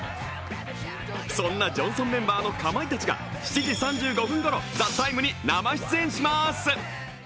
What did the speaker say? そんな「ジョンソン」メンバーのかまいたちが７時３５分ごろ、「ＴＨＥＴＩＭＥ，」に生出演します。